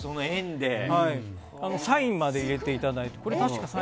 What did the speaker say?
サインまで入れていただいて。